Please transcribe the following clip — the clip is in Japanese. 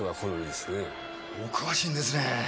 お詳しいんですねぇ。